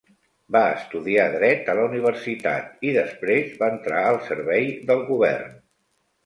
Va estudiar dret a la universitat, i després va entrar al servei del govern.